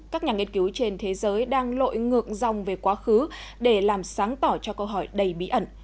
các nhà nghiên cứu trên thế giới đang lội ngược dòng về quá khứ để làm sáng tỏ cho câu hỏi đầy bí ẩn